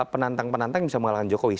penantang penantang yang bisa mengalahkan jokowi